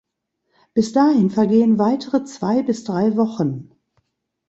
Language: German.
Bis dahin vergehen weitere zwei bis drei Wochen.